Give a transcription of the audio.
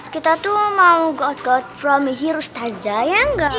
kita tuh mau go out go out from here ustazah ya enggak